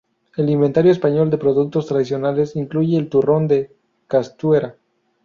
El Inventario Español de Productos Tradicionales incluye el Turrón de Castuera.